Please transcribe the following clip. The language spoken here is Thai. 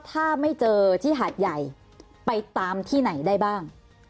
ถ้าไม่เจอที่หาดใหญ่ไปตามที่ไหนได้บ้าง